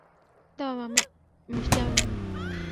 দাও মিষ্টি আমি বানাই।